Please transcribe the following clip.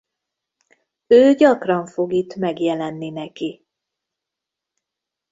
Ő gyakran fog itt megjelenni neki.